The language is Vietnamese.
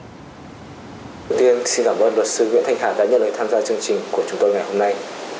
đầu tiên xin cảm ơn luật sư nguyễn thanh hà đã nhận lời tham gia chương trình của chúng tôi ngày hôm nay